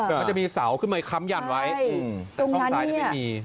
มันจะมีเสาขึ้นมาอีกคำหยั่นไว้เออตรงนั้นเนี้ยช่องซ้ายไม่มี